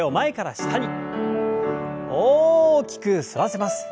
大きく反らせます。